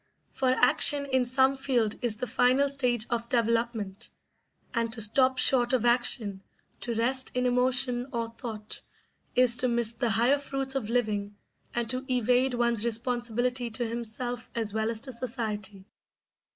For action in some field is the final stage of development; and to stop short of action, to rest in emotion or thought, is to miss the higher fruits of living and to evade one's responsibility to himself as well as to society.